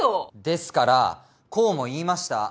ですからこうも言いました。